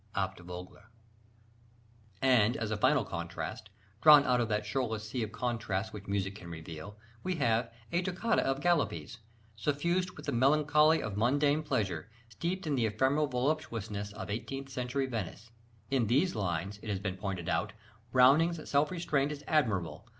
(Abt Vogler.) And, as a final contrast, drawn out of that shoreless sea of contrasts which music can reveal, we have A Toccata of Galuppi's, suffused with the melancholy of mundane pleasure, steeped in the ephemeral voluptuousness of eighteenth century Venice. In these lines, it has been pointed out, "Browning's self restraint is admirable....